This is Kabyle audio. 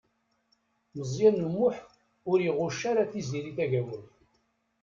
Meẓyan U Muḥ ur iɣucc ara Tiziri Tagawawt.